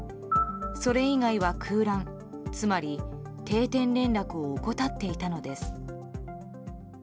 それ以外は空欄、つまり定点連絡を怠っていたのです。